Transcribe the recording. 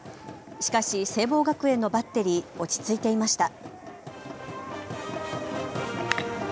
しかし聖望学園のバッテリー、落ち着いていました。